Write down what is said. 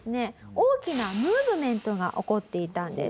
大きなムーブメントが起こっていたんです。